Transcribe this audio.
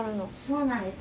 そうなんです。